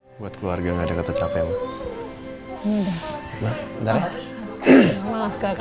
hai buat keluarga nggak ada kata capek